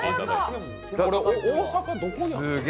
大阪、どこにあるの？